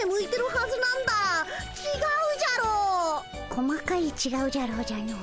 こまかい「ちがうじゃろー」じゃの。